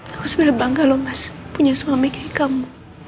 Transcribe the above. aku sebenarnya bangga loh mas punya suami kayak kamu